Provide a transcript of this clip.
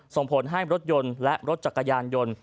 ส่งผลให้รถยนต์และรถจักรยานยนต์